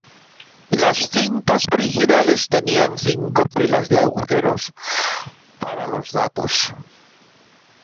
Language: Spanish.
Las cintas originales tenían cinco filas de agujeros para los datos.